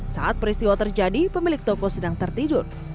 saat peristiwa terjadi pemilik toko sedang tertidur